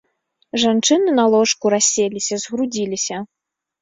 Жанчыны на ложку расселіся, згрудзіліся.